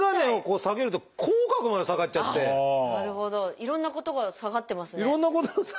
いろんなことが下がってますね。